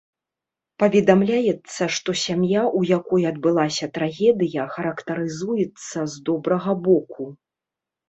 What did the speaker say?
Паведамляецца, што сям'я, у якой адбылася трагедыя, характарызуецца з добрага боку.